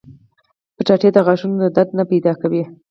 کچالو د غاښونو درد نه پیدا کوي